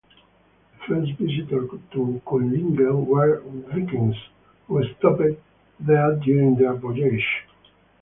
The first visitors to Kumlinge were Vikings who stopped there during their voyages.